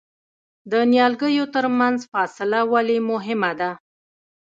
د نیالګیو ترمنځ فاصله ولې مهمه ده؟